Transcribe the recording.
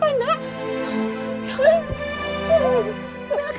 bella kenapa kamu nak